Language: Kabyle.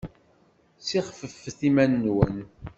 Ssixfefet iman-nwen!